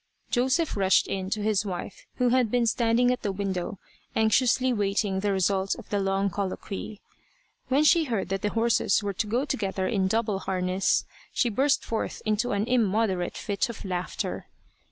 Joseph rushed in to his wife who had been standing at the window anxiously waiting the result of the long colloquy. When she heard that the horses were to go together in double harness, she burst forth into an immoderate fit of laughter.